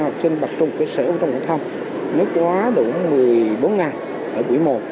học sinh bật trong cơ sở trong cơ sở nếu quá đủ một mươi bốn ngày ở buổi một